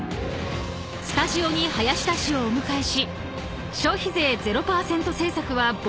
［スタジオに林田氏をお迎えし］え。